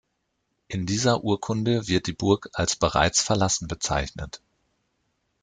In dieser Urkunde wird die Burg als bereits verlassen bezeichnet.